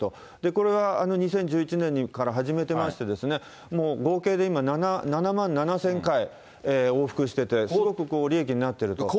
これは２０１１年から始めてまして、もう合計で今、７万７０００回往復してて、すごく利益になってると。